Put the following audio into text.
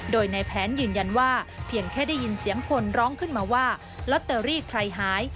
โดยในแผนยืนยันว่าเพียงแค่ได้ยินเสียงคนร้องขึ้นมาว่าลอตเตอรี่ใครหาย